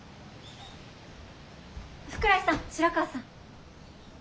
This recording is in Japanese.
福来さん白川さん。